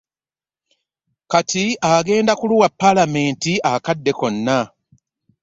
Kati agenda kuluwa palamenti akadde konna.